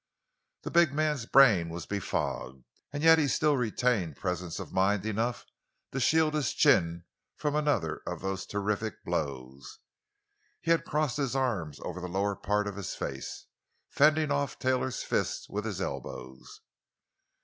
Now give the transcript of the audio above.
The big man's brain was befogged; and yet he still retained presence of mind enough to shield his chin from another of those terrific blows. He had crossed his arms over the lower part of his face, fending off Taylor's fists with his elbows.